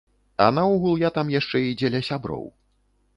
А наогул я там яшчэ і дзеля сяброў.